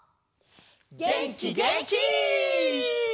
げんきげんき！